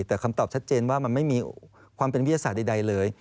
แต่คำตอบชัดเจนว่ามันไม่มีความเป็นวิทยาศาสตร์ใดเลย